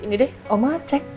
ini deh oma cek